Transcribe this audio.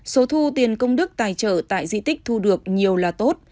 số thu tiền công đức tài trợ tại di tích thu được nhiều là tốt